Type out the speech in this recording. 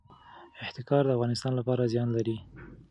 احتکار د اقتصاد لپاره زیان لري.